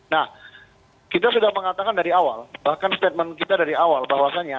nah kita sudah mengatakan dari awal bahkan statement kita dari awal bahwasannya